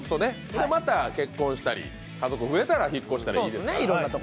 また結婚したり、家族増えたら引っ越したらいいですか。